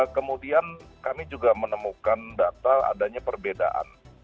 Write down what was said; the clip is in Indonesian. kemudian kami juga menemukan data adanya perbedaan